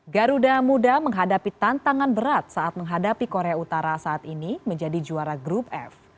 garuda muda menghadapi tantangan berat saat menghadapi korea utara saat ini menjadi juara grup f